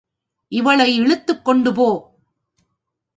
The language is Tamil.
இவளே இழுத்துக் கொண்டு போ!